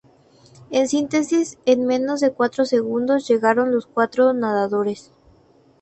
En síntesis, en menos de cuatro segundos llegaron los cuatro nadadores.